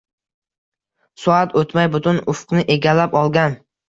Soat o’tmay, butun ufqni egallab olgan.